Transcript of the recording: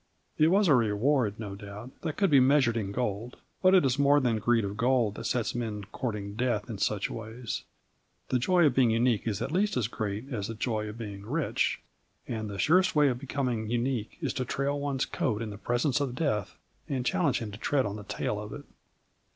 It was a reward, no doubt, that could be measured in gold. But it is more than greed of gold that sets men courting death in such ways. The joy of being unique is at least as great as the joy of being rich. And the surest way of becoming unique is to trail one's coat in the presence of Death and challenge him to tread on the tail of it.